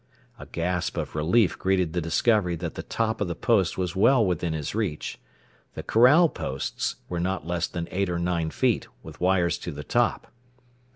A gasp of relief greeted the discovery that the top of the post was well within his reach. The corral posts were not less than eight or nine feet, with wires to the top.